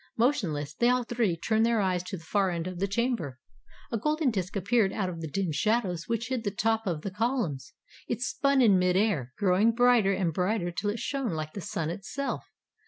Motionless, they all three turned their eyes to the far end of the chamber. A golden disk appeared out of the dim shadows which hid the top of the columns; it spun in mid air, growing brighter and brighter till it shone like the sun itself.